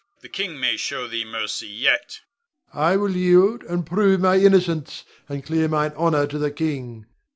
The king may show thee mercy yet Rod. I will yield, and prove my innocence, and clear mine honor to the king.